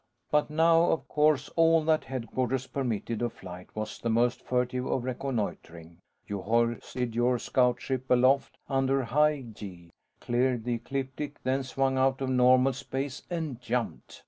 But now, of course, all that Headquarters permitted of flights was the most furtive of reconnoitering. You hoisted your scout ship aloft under high gee, cleared the ecliptic, then swung out of normal space and jumped.